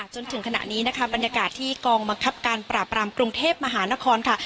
จนถึงขณะนี้นะคะบรรยากาศที่กองบังคับการปราบรามกรุงเทพมหานครค่ะ